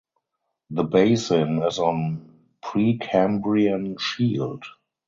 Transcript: The basin is on Precambrian shield.